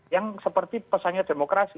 yang seperti pesannya demokrasi